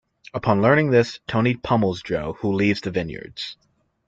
Upon learning this, Tony pummels Joe, who leaves the vineyards.